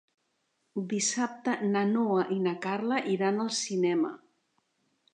Dissabte na Noa i na Carla iran al cinema.